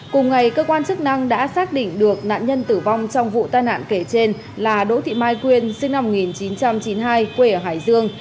cùng ngày cơ quan chức năng đã xác định được nạn nhân tử vong trong vụ tai nạn kể trên là đỗ thị mai quyên sinh năm một nghìn chín trăm chín mươi hai quê ở hải dương